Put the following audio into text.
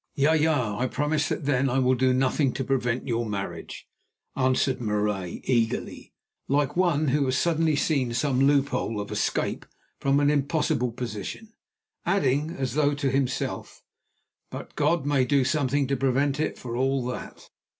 "Ja, ja, I promise that then I will do nothing to prevent your marriage," answered Marais eagerly, like one who has suddenly seen some loophole of escape from an impossible position, adding, as though to himself, "But God may do something to prevent it, for all that."